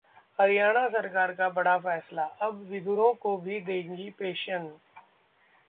हरियाणा सरकार का बड़ा फैसला, अब विधुरों को भी देगी पेंशन